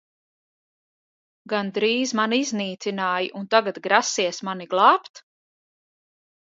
Gandrīz mani iznīcināji un tagad grasies mani glābt?